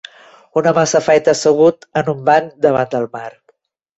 Un home s'afaita assegut en un banc davant del mar.